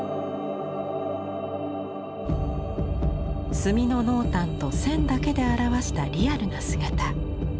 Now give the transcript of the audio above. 墨の濃淡と線だけで表したリアルな姿。